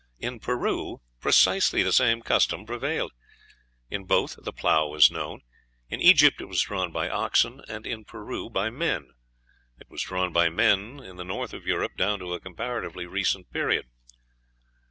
In Peru precisely the same custom prevailed. In both the plough was known; in Egypt it was drawn by oxen, and in Peru by men. It was drawn by men in the North of Europe down to a comparatively recent period.